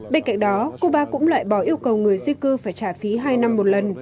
bên cạnh đó cuba cũng loại bỏ yêu cầu người di cư phải trả phí hai năm một lần